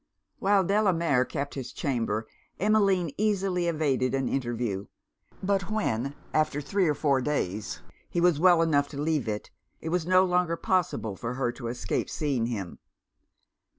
While Delamere kept his chamber, Emmeline easily evaded an interview; but when, after three or four days, he was well enough to leave it, it was no longer possible for her to escape seeing him.